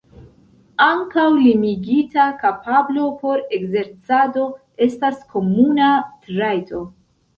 Ankaŭ limigita kapablo por ekzercado estas komuna trajto.